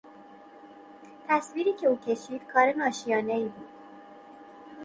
تصویری که او کشید کار ناشیانهای بود.